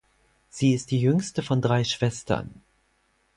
Sie ist die jüngste von drei Schwestern.